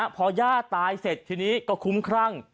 พอย่าตายเสร็จทีนี้ก็คุ้มครั่ง